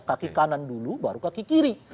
kaki kanan dulu baru kaki kiri